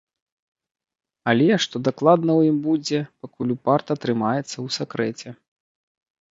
Але, што дакладна ў ім будзе, пакуль упарта трымаецца ў сакрэце.